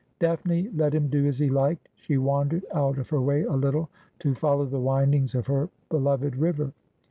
Daphne let him do as he liked. She ■wandered out of her way a little to follow the windings of her beloved river.